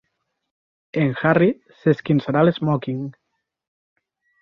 En Harry s'esquinçarà l'esmòquing.